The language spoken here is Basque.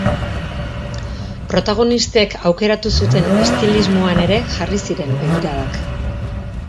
Protagonistek aukeratu zuten estilismoan ere jarri ziren begiradak.